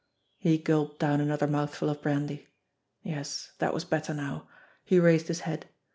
He gulped down another mouthful of brandy. Yes, that was better now. He raised his head.